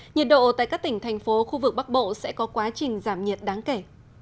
nhiệt độ tại các tỉnh thành phố khu vực bắc bộ sẽ có quá trình giảm nhiệt đáng kể